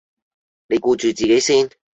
你顧住自己先